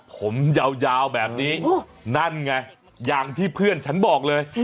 ผมยาวแบบนี้นั่นไงอย่างที่เพื่อนฉันบอกเลย